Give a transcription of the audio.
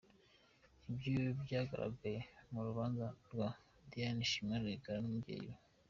Ibyo byagaragaye mu rubanza rwa Diane Shima Rwigara n’umubyeyi we.